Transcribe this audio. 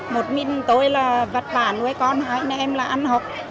một mình tôi là vật bản nuôi con hai em là ăn học